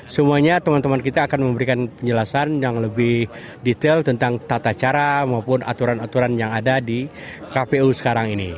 semuanya teman teman kita akan memberikan penjelasan yang lebih detail tentang tata cara maupun aturan aturan yang ada di kpu sekarang ini